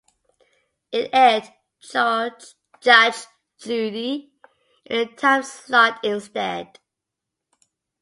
It aired "Judge Judy" in the time slot instead.